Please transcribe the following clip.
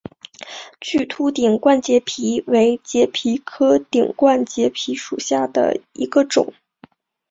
巨突顶冠节蜱为节蜱科顶冠节蜱属下的一个种。